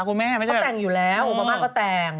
คุณแม่ไม่ใช่แบบคุณแม่ก็แต่งอยู่แล้วอุปมาธก็แต่ง